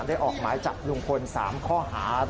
พวกเขาได้ออกหมายจับลุงพล๓ข้อหา